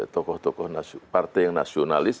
tokoh tokoh partai yang nasionalis